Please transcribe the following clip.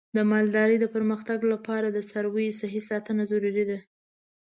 د مالدارۍ د پرمختګ لپاره د څارویو صحي ساتنه ضروري ده.